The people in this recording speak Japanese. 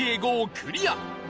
クリア